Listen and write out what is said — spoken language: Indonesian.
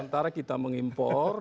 sementara kita mengimpor